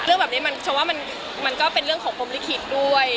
เรื่องแบบนี้มันฉันว่ามันก็เป็นเรื่องของปมลิขิตด้วย